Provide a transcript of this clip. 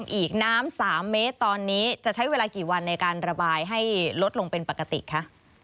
อีกน้ำ๓เมตรตอนนี้จะใช้เวลากี่วันในการระบายให้ลดลงเป็นปกติคะ